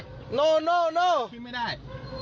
ขึ้นไม่ได้